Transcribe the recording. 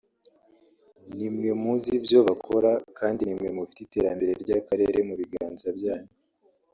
nimwe muzi ibyo bakora kandi nimwe mufite iterambere ry’akarere mu biganza byanyu